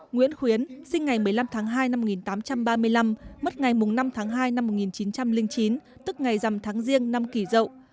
nguyễn khuyến sinh ngày một mươi năm tháng hai năm một nghìn tám trăm ba mươi năm mất ngày năm tháng hai năm một nghìn chín trăm linh chín tức ngày dằm tháng riêng năm kỳ rậu